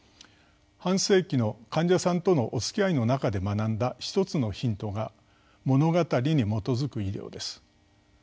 半世紀の患者さんとのおつきあいの中で学んだ一つのヒントが「物語に基づく医療」です。